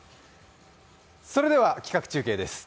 それでは企画中継です。